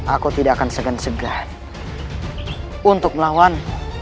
aku tidak akan segan segan untuk melawan